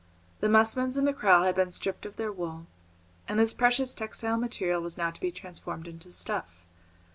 The musmons in the corral had been stripped of their wool, and this precious textile material was now to be transformed into stuff.